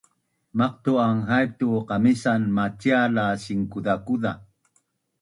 Maqtu’an haip tu qamisan macial la sinkuzakuza